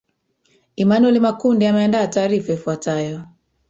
emanuel makundi ameandaa taarifa ifuatayo